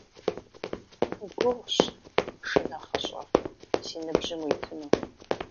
Гугъущ, шынэхъыщӀэ, си ныбжьым уитыну.